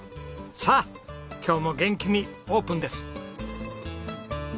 さあ今日も元気にオープンです！